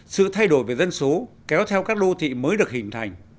sự thay đổi về dân số kéo theo các đô thị mới được hình thành